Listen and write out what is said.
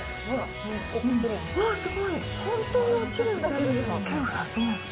うわっ、すごい、本当に落ちるんだ。